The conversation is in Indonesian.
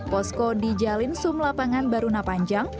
posko di jalin sum lapangan barunapanya